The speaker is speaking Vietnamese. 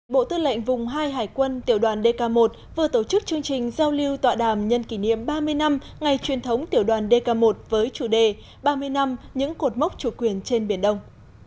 bộ tư lệnh vùng hai hải quân tiểu đoàn dk một vừa tổ chức chương trình giao lưu tọa đàm nhân kỷ niệm ba mươi năm ngày truyền thống tiểu đoàn dk một với chủ đề ba mươi năm những cột mốc chủ quyền trên biển đông